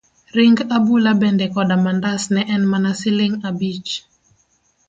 Ring abula bende koda mandas ne en mana siling' abich.